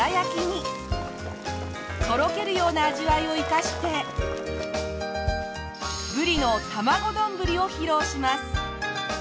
とろけるような味わいを生かしてブリのたまご丼を披露します。